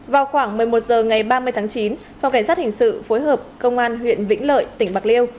vào khoảng một mươi một h ngày ba mươi tháng chín phòng cảnh sát hình sự phối hợp công an huyện vĩnh lợi tỉnh bạc liêu